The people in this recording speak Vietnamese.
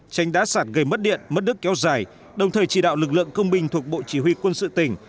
tránh đã sạt gây mất điện mất đức kéo dài đồng thời chỉ đạo lực lượng công binh thuộc bộ chỉ huy quân sự tỉnh